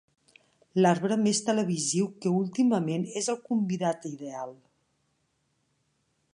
L'arbre més televisiu que últimament és el convidat ideal.